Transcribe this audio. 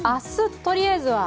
とりあえずは。